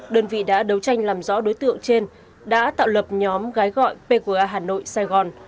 đơn vị đã đấu tranh làm rõ đối tượng trên đã tạo lập nhóm gái gọi pqa hà nội sài gòn